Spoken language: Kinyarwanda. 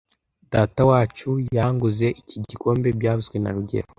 Datawacu yanguze iki gitabo byavuzwe na rugero